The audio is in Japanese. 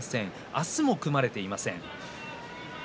明日も組まれていません。